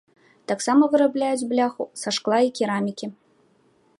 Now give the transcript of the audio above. Таксама вырабляюць бляху са шкла і керамікі.